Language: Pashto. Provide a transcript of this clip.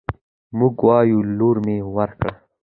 موږ وايو: لور مې ورکړ